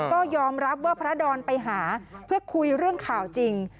ก็ยอมรับว่าพระดอนไปหาเพื่อคุยเรื่องข่าวจริง